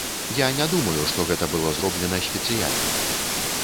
Я не думаю, што гэта было зроблена спецыяльна.